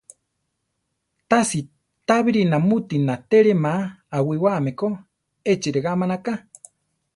Tasi tábiri namúti natélema awiwáame ko, echi regá manaká.